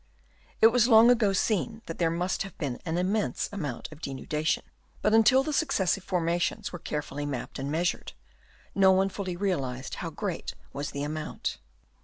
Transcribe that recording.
It was long ago seen that there must have been an immense amount of denudation ; but until the successive forma tions were carefully mapped and measured, no one fully realised how great was the amount.